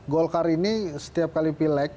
golkar ini setiap kali pilek